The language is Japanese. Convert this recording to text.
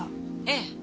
ええ。